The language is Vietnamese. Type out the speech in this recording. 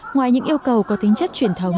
ngoài những yêu cầu có tính chất truyền thống